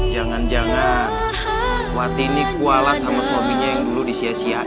jangan jangan wati ini kuala sama suaminya yang dulu disiasiain